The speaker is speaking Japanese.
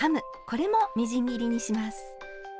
これもみじん切りにします。